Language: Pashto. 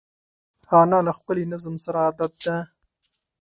انا له ښکلي نظم سره عادت ده